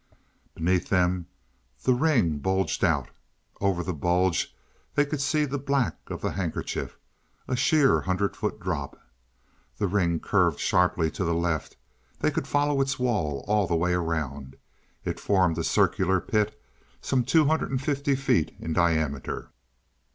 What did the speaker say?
Beneath them the ring bulged out. Over the bulge they could see the black of the handkerchief a sheer hundred feet drop. The ring curved sharply to the left; they could follow its wall all the way around; it formed a circular pit some two hundred and fifty feet in diameter.